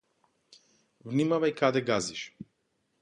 Внимавај каде газиш!